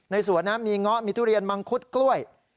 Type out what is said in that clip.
สวนนะมีเงาะมีทุเรียนมังคุดกล้วย